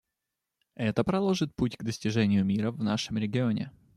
Это проложит путь к достижению мира в нашем регионе.